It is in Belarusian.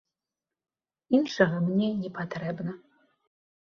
Іншага мне не патрэбна.